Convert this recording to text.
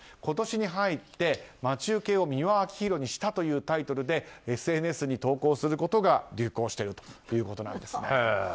今年に入って、待ち受けを美輪明宏にしたというタイトルでＳＮＳに投稿することが流行しているということです。